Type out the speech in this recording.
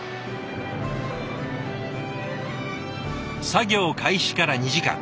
作業開始から２時間。